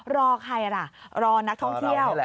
รอใครล่ะรอนักท่องเที่ยว